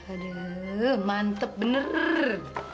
aduh mantep bener